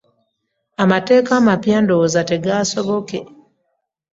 Amateeka amapya ndowooza tegaasoboke.